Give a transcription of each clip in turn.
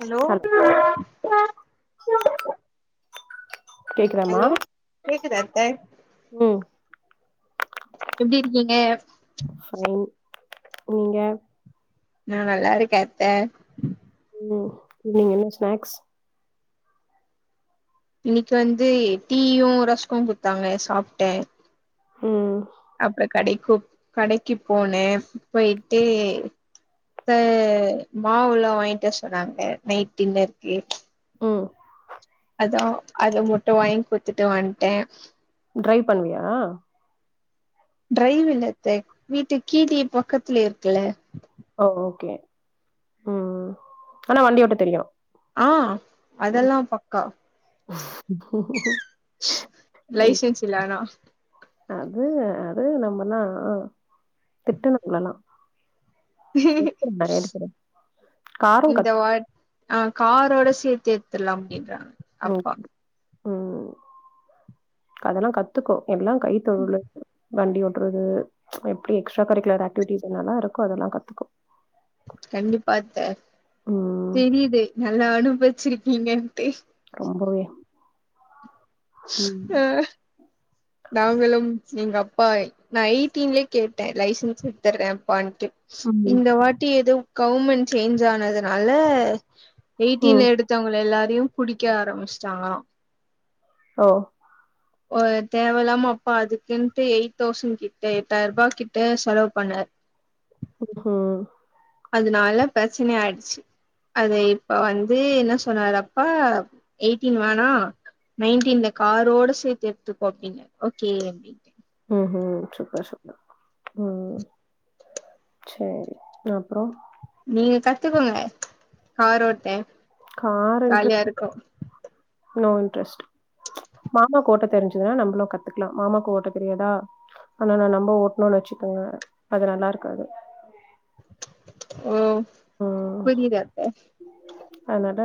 Hello ஆஹ சொ [inaudible] கேக்குதாமா கேக்குதா அத்த உம் எப்டி இருக்கீங்க ஹலோ நீங்க நா நல்லா இருக்கே அத்தே ம் ஈவினி என்ன ஸ்நாக்ஸ் இன்னைக் வந்து டீயும் ரச்கு குட்த்தாங்க சாப்டே உம் அப்றோ கடைக் குப்ட் கடைக்கு போனே போயிட்டு அ மாவுல்லா வாங்கிட்டு வர சொன்னாங்க நைட் டின்னருக்கு உம் அதா அது முட்ட வாங்கி குத்துட்டு வந்த்ட்டே ட்ரைவ் பண்ணுவியா டரைவ் இல்லத்த வீட்டு கீழயே பக்கத்துலயே இருக்குல்ல ஓ ஓகே உம் ஆனா வண்டியோட்ட தெரியு ஆ அதெல்லா பக்கா ம் லைசன்ஸ் இல்லானா அது அது நம்மல்லா திட்டனு உங்கலல்லா காரு இந்த கத் வாத் ஆ காரோட சேத் சேத்து எடுத்துர்லா அப்டின்றாங்க அப்பா உம் அதெல்லா கத்துக்கோ எல்லா கைத்தொழிலு வண்டி ஓட்றது எப்டி எக்ஸ்ட்ரா கரிக்குலர் ஆக்டிவிட்டிஸ் என்னல்லா இருக்கோ அதெல்லா கத்துக்கோ கண்டிப்பாத்த ம் தெரியுது நல்லாணு வச்சிருக்கீங்கன் ரொம்பவே ம் ஆ அ நாங்களும் எங்க அப்பா நா எயிட்டின்லயே கேட்டே லைசன்ஸ் எடுத்துர்றே அப்பான்ட்டு ம் இந்த வாட்டி எதோ கௌவ்மெண்ட் சேஞ்ச் ஆனதுனால ம் எயிட்டின்ல எடுத்தவங்கள எல்லாத் அதையு புடிக்க ஆரம்பிச்சிட்டாங்களா ஓ ஒரு தேவல்லாம அப்பா அதுக்குன்ட்டு எயிட் தௌசண்ட் கிட்ட எட்டாயிர ரூபா கிட்ட செலவு பண்ணாரு [unintelligible] அதனால பிரச்சனை ஆயிடுச்சு அது இப்ப வந்து என்ன சொன்னாரு அப்பா எயிட்டீன் வேணா நைன்டீன்ல காரோட சேர்த்து எடுத்துக்கோ அப்படின்னு ஓகே அப்டிண்ட உஹம் ஹம் சூப்பர் சூப்பர் உம் சரி அப்புறம் நீங்க கத்துக்கோங்க கார் ரோட்ட கார் என்றது நோ இன்ட்ரெஸ்ட் மாமாக்கு ஓட்ட தெரிஞ்சுதுன்னா நம்மளும் கத்துக்கலாம் மாமாக்கு ஓட்ட தெரியாதா ஆனா நான் நம்ப ஓட்டுன்னோனு வச்சுக்கோங்க அது நல்லா இருக்காது ஓஹ் ம். புரியல அத்த அதனால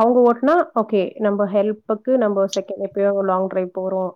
அவங்க ஓட்டுனா ஓகே நம்ம ஹெல்ப்புக்கு நம்ம செகண்ட் எப்பயோ லாங் டிரை போறோம்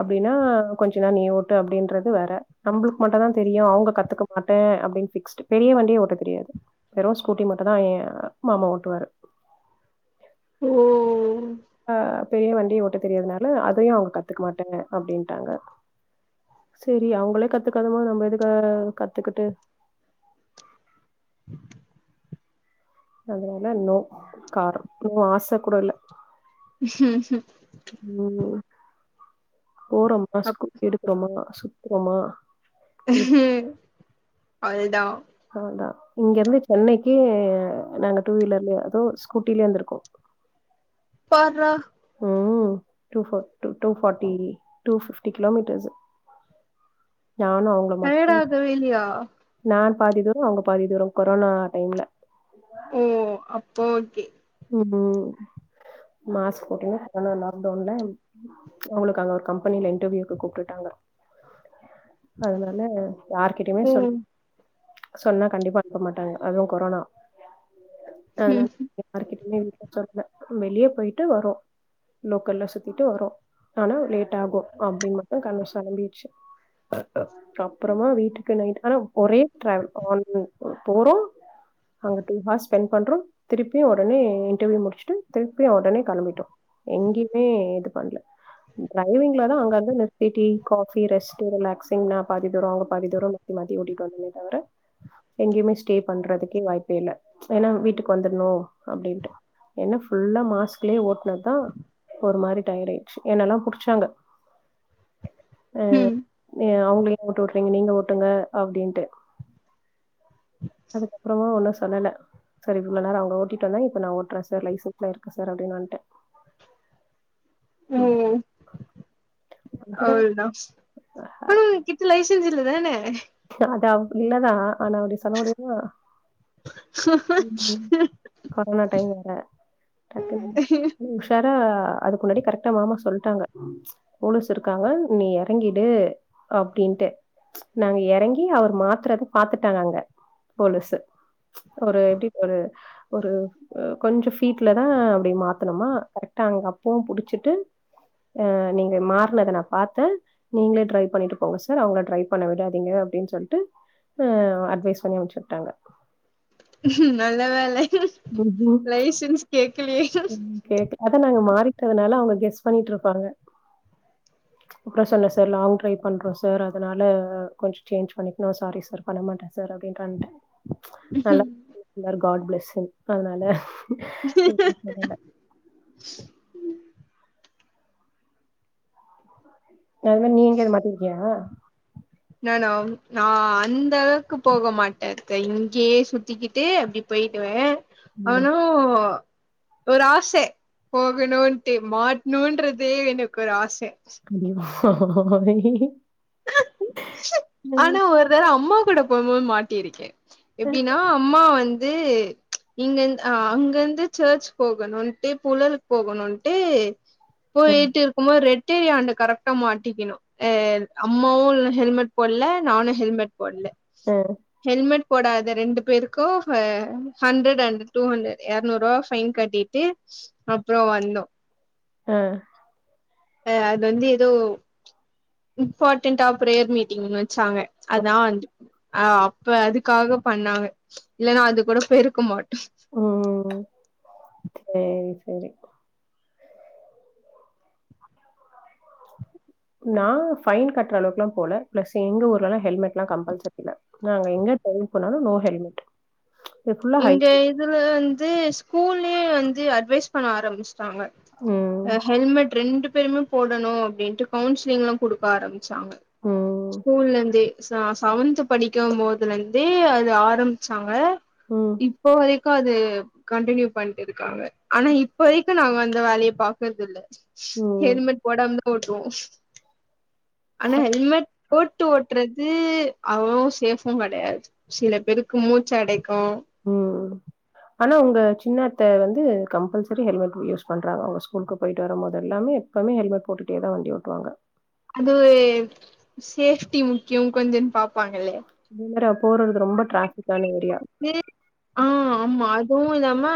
அப்படின்னா கொஞ்ச நேர நீ ஓட்டு அப்படின்றது வேற நம்மளுக்கு மட்டம்தான் தெரியும் அவங்க கத்துக்க மாட்டேன் அப்படின்னு ஃபிக்ஸ்ட் பெரிய வண்டியே ஓட்ட தெரியாது வெறும் ஸ்கூட்டி மட்டு தான் ஏன் மாமா ஓட்டுவாரு ஓஹ் ஆஹ் பெரிய வண்டிய ஓட்ட தெரியதுனால அதையும் அவங்க கத்துக்க மாட்டேன் அப்படின்ட்டாங்க சரி அவங்களே கத்துக்காதமோது நம்ம எதுக்கு கத்துக்கிட்டு அதனால இன்னும் கார் ம் இன்னும் ஆசை கூட இல்ல ஹம்ம் உம் போறோம் ப்ப ஸ் அப் கு எடுக்கறோமா சு அப்புறமா ஹம் அதே தான் அததான் இங்க இருந்து சென்னைக்கு நாங்க டூ வீலர்லயே அது ஸ்கூட்டிலயே வந்திருக்கோம் பார்ரா ஹ்ம்ம் டுஃபாட்டி டுஃபிப்டி கிலோமீட்டர்ஸ் நானும் அவங்கள டயர்ட் மட்டும் ஆகவே இல்லையா நான் பாதி தூரம் அவங்க பாதி தூரம் கொரோனா டைம்ல ஓ ஓகே மாஸ்க் போட்டனா கொரோனா லாக்டவுனில் அவங்களுக்கு அங்கே ஒரு கம்பெனியில் இன்டர்வியூக்கு கூப்பிட்டுட்டாங்க அதனால யார் கிட்டயுமே ஓ சொல் சொன்னா கண்டிப்பா அனுப்ப மாட்டாங்க அதுவும் கொரோனா ஹீம் அதனால யார்கிட்டயுமே எதுவும் சொல்ல வெளியே போய்ட்டு வரோம் லோக்கல்ல சுத்திட்டு வரோம் ஆனா லேட் ஆகும் அப்படின்னு மட்டு கண்ண சொரண்டிச்சு அப்புறமா வீட்டுக்கு நைட் நேரம் ஒரே டிராவல் போறோம் அங்க டு ஹார்ஸ் ஸ்பென்ட் பண்றோம் திருப்பி திருப்பியும் உடனே இன்டர்வியூ முடிச்சுட்டு திருப்பியும் உடனே கெளம்பிட்டோம் எங்கேயுமே இது பண்ணல டரைவிங்ல தான் அங்க அங்க நிறுத்தி டீ காபி ரெஸ்ட் ரிலாக்சிங் நான் பாதி தூரம் அவங்க பாதி தூரம் மாத்தி மாத்தி ஓட்டிட்டு வந்தமே தவிர எங்கேயுமே ஸ்டே பண்றதுக்கே வாய்ப்பே இல்லை ஏன்னா வீட்டுக்கு வந்துர்றனும் அப்டின்ட்டு ஏன்ன ஃபுல்லா மாஸ்க்லயே ஓட்டினதான் ஒரு மாதிரி டயர்ட் ஆயிடுச்சு என்னல்லாம் புடிச்சாங்க ஆஹ் ம் நீ அவங்களுக்கு மட்டு [unintelligible] நீங்க ஓட்டுங்க அப்டின்ட்டு அதுக்கப்புறமா ஒன்னு சொ சொல்லல சரி இவ்ளோ நேரம் அவங்க ஓட்டிட்டு இப்ப நான் ஓட்டுறேன் சார் லைசென்ஸ்ல இருக்கு சார் அப்டின்னு வந்துட்டேன் ம் அதுதா அவ்ளோ தான் ஆ என்கிட்ட லைசன்ஸ் இல்ல [unintelligible] அது அவ இல்லதான் ஆனா அப்படி சொல்ல முடியுமா கொரோனா டைம் [unintelligible] [unintelligible] உஷார் ஆ அதுக்கு முன்னாடி கரெக்டா மாமா சொல்ட்டாங்க போலிஸ் இருக்காங்க நீ எறங்கிடு அப்டின்ட்டு நாங்க எறங்கி அவர் மாத்துறத பாத்துட்டாங்க அங்கே போலீஸ் ஒரு எப்படி ஒரு ஒரு கொஞ்சம் ஃபீட்ல தான் அப்படி மாத்தணுமா கரெக்டா அங்கே அப்பவும் புடிச்சிட்டு நீங்க மாறினத நான் பாத்தேன் நீங்களே ட்ரைவ் பண்ணிட்டு போங்க சார் அவங்கள ட்ரைவ் பண்ண விடாதீங்க அப்டின்னு சொல்ட்டு ஆ அட்வைஸ் பண்ணி அமுச்சு விட்டாங்க நல்ல வேள லைசன்ஸ் கேகலே ம் கேக்கு அத நாங்க மாறிட்டதுனால அவங்க கெஸ் பண்ணிட்டு இருப்பாங்க அப்புறம் சொன்னே சார் லாங் டைவ் பண்றோம் சார் அதனால கொஞ்சம் சேஞ்ச் பண்ணிக்னோ சாரி சார் பண்ண மாட்டேன் சார் அப்டினு வன்டேன் நல்லா [unintelligible] காட் பிளேஸ் ஹிம் அதனால [unintelligible] அது மாரி நீ எங்கேயாவது மாட்டி இருக்கியா நானா நான் அந்த அளவுக்கு போக மாட்டேன் இங்கேயே சுத்திக்கிட்டு அப்படி போயிடுவேன் ம் ஆனா ஒரு ஆசை போகணுட்டு மாட்ணுன்றதே எனக்கு ஒரு ஆசை [unintelligible] [inaudible] ஆனா ஒரு தட அம்மா கூட போவும்போது மாட்டியிருக்கேன் எப்படின்னா அம்மா வந் து இங்கந்து அங்கிருந்து செர்ச் போகணும்ன்ட்டு புழல போகணுன்ட்டு போயிட்டு இருக்கும்மோ ரெட் தெரிய அங்க கரெக்டா மாட்டிக்கனோ அம்மாவும் இல்ல ஹெல்மெட் போடல நானும் ஹெல்மெட் போடல அ ஹெல்மெட் போடாத ரெண்டு பேருக்கு ஹ ஹண்ட்ரட் அண்ட் டூ ஹண்ட்ரட் இர்நூறு ரூவா ஃபைன் கட்டிட்டு அப்றோ வந்தோ ஆ ஆ அது வந்து ஏதோ இம்பார்ட்டன்ட்டா ப்ரேயர் மீட்டிங் வ ச்சாங்க அதா வந் ஆ அப்ப அதுக்காக பண்ணாங்க இல்லன்னா அது கூட பேய்ருக்க மாட் ம் ம் ம் சேரி செரி நா ஃபைன் கட்ற அளவுக்லா போல ப்ளஸ் எங்க ஊர்லலா ஹெல்மெட்லா கம்பல்சரில்ல நாங்க எங்க [unintelligible] போண்ணாலு நோ ஹெல் மெட் இங்க இதுல வந்து ஸ் கூல்லயே வந்து அட்வைஸ் பண்ண ஆரம்பிச் சுட்டாங்க ம். ஆஹ்‌ ஹெல்மெட் ரெண்டு பேருமே போடணு அப்டின்ட்டு கவுன்சிலிங்லா குடுக்க ஆரம்பிச் சாங்க ம். ஸ்கூல்லந்தே செவ செவன்த் படிக்க போதுலந்தே அது ஆரம்பிச்சாங்க ம். இப்போவரைக் க்கு அது கன்டினியூ பண்ட்டுருக்காங்க ஆனா இப்ப வரைக்கு நாங்க அந்த வேலைய‌ பாக்குறது இல்ல ம். ஹெல்மெட் போடாம தா ஓட்றோ ஆனா ஹெல்மெட் போட்டு ஓட் றது அவ்ளோ சேஃபும் கெடையாது சில பேருக்கு மூச்சைடைக்கு உம் ஆனா ஒங்க சின்னத்த வந்து கம்பல்சரி ஹெல்மெட் யூஸ் பண்றாங்க அவுங்க ஸ்கூலுக்கு போயிட்டு வரும் போது எல்லாமே எப்பவுமே ஹெல்மெட் போட்டுட்டேதா வண்டி ஓட்டுவாங்க அது சேஃப்டி முக்கியோ கொஞ்சோ பாப்பாங்க [inaudible] போறதுக்கு ரொம்ப டிராஃபிக்கான ஏரியா ம்மா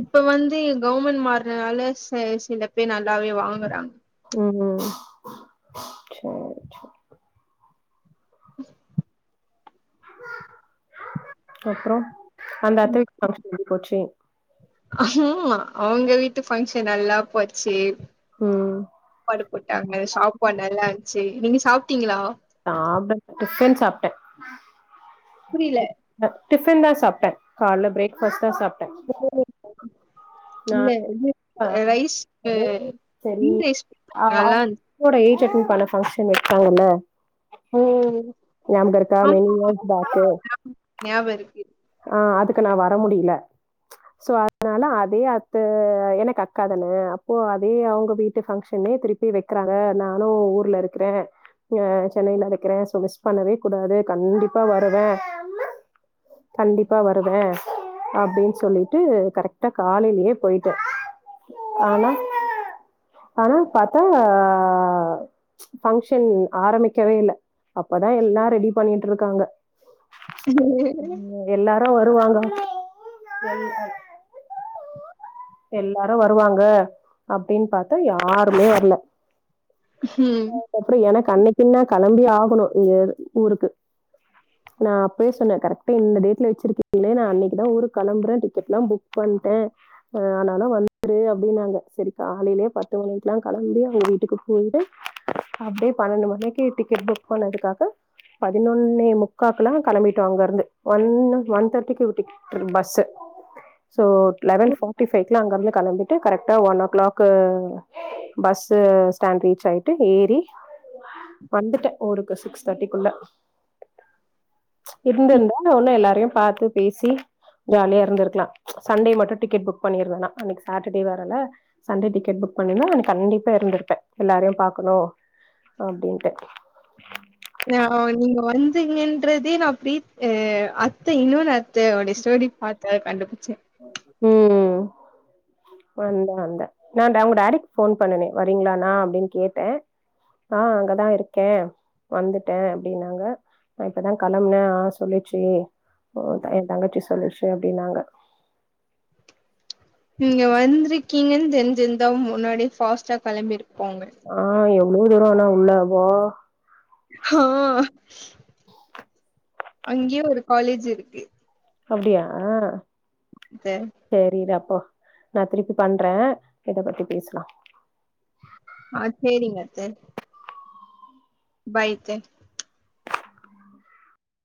இப்ப வந்து கவ்மெண்ட் மாறன்னால ச சில பேர் நல்லாவே வாங்குறாங் உம் சேரி சேரி அப்றோ அந்த அத்தைக்கு ஃபங்சன் [inaudible] எப்டிப் போச்சு ஆமா அவுங்க வீட்டுப் ஃபங்க்ஷன் நல்லா போச்சு ம். சாப்பாடு போட்டாங்க சாப்பாடு நல்லாருன்ச்சு சேரி நீங்க சாப்ட்டீங்களா சாப்ட் [inaudible] டிஃப்பன் சாப்ட்டே புரில டிஃபன் தா சாப்டே கால்ல பிரேக் ஃபாஸ்ர்ட் தா சாப் ஓ, நா இல்ல இது ரைஸ் [inaudible] செரி கீ ரைஸ் நல்லா இருந்துச்சு சாரி [inaudible] சட்னி பான ஃபங்க்ஷன் வெச்சாங்கல்ல ஓ யாம் கருக்கா மென் இயர் பக்கே ஞாபருக்கு ஆஹ் அதுக்கு நா வர முடியில சோ அதனால அதே அத்து எனக்கு அக்கா தானே அப்போ அதே அவுங்க வீட்டு ஃபங்க்ஷன்னே திருப்பி வெக்கறாங்க நானு ஊர்ல இருக்கிறே அஹ் சென்னையில இருக்கிறே சோ மிஸ் பண்ணவே கூடாது கண்டிப்பா வருவே கண்டிப்பா வருவே அப்டின் சொல்லிட்டு கரெக்டா காலையிலயே போயிட்டே ஆனா ஆனா பாத்தா ஆ ஃபங்க்ஷன் ஆரம்பிக்கவே இல்ல அப்பதா எல்லா ரெடி பண்ணிட்டுருக்காங்க எல்லாரு வருவாங்க [unintelligible] எல்லாரு வருவாங்க அப்டின் பாத்தா யாருமே வரல ம். அப்ரோ எனக்கு அன்னைக்குனா கிளம்பி ஆகணு நீங்க ஊருக்கு நா அப்பயே சொன்ன கரெக்டா இந்த டேட்ல வச்சிருக்கீங்களே நா அன்னைக்குதா ஊருக்கு கிளம்புற டிக்கெட்ல்லா புக் பண்ட்டே ஆனாலு வந்துரு அப்டின்னாங்க சரி காலையிலயே பத்து மணிக்குல்லா கிளம்பி அவங்க வீட்டுக்கு போயி்ட்டு அப்டியே பன்னெண்டு மணிக்கு டிக்கெட் புக் பண்ணதுக்காக பதினொன்னே முக்காக்கெல்லா கிளம்பிட்டோ அங்க இருந்து ஒ ஒன் தேர்டிக்கு டிக் bus so eleven forty ஃபைக்குலா அங்கருந்து கிளம்பிட்டு கரெக்டா one o'clock bus stand reach ஆய்ட்டு ஏறி வந்துட்ட ஒருக்க சிக்ஸ்தேட்டி குல்ல இருந்து இருந்த ஒன்னு எல்லாரையு பாத்து பேசி சி ஜாலியா இருந்திருக்லா சண்டே மட்டு டிக்கெட் புக் பண்ணியர்ர நா அன்னைக்கு சாட்டர்டே வேரல சண்டே டிக்கெட் புக் பண்னேன்னா கண்டிப்பா இருந்திருப்ப எல்லாறையு பாக்கணு அப்டின்ட்டு ஹ நீங்க வந்தீங்கன்றதே நா பிரீத்ஹ் அத்த இன்னொன்னு அத்த உடைய ஸ்டோரி பாத்த கண்டுபிடி [inaudible] ம் ம் வந்த வந்த நா டவுங்க டாடிக்கு ஃபோன் பண்ணேனே, வரீங்களான்ன அப்டின்னு கேட்ட ஆஹ் அங்கதா இருக்க, வந்துட்டே அப்படின்னாங்க. இப்போதா கிளம்புன ஆ சொல்லுச்சு. அவ்லோத்தா ஏ தங்கச்சி சொல்லுச்சு அப்படின்னாங்க. நீங்க வந்திருக்கீங்கனு தெரிஞ்சிருந்தா முன்னாடி பாஸ்ட்டா கிளம்பிரு ஆஹ் ய எவ்ளோ தூர ஆனா உள்ள பா ஆஹ் [inaudible] அங்கயே ஒரு காலேஜ் இருக்கு அப்டியாஹ் அத்த. செரி ரப் அப்போ நா திருப்பி பண்ற இத பத்தி பேசலா ஆஹ் சேரிங்கத்த பாய்த்த